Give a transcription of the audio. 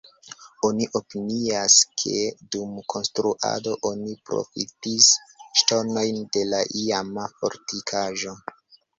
Oni opinias, ke dum konstruado oni profitis ŝtonojn de la iama fortikaĵo.